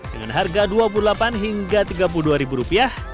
dengan harga dua puluh delapan hingga tiga puluh dua ribu rupiah